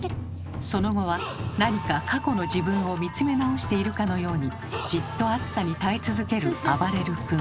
その後は何か過去の自分を見つめ直しているかのようにじっと熱さに耐え続けるあばれる君。